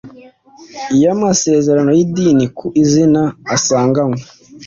y amasezerano y idini ku izina asanganywe